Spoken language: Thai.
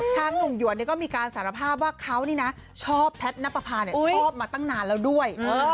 หนุ่มหยวนก็มีการสารภาพว่าเขานี่นะชอบแพทย์นับประพาชอบมาตั้งนานแล้วด้วย